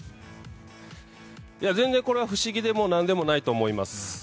全然これは不思議でも何でもないと思います。